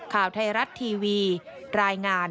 ข่าวไทยรัฐทีวีรายงาน